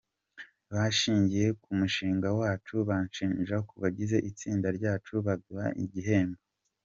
Bashingiye ku mushinga wacu, bashingira ku bagize itsinda ryacu, baduha igihembo.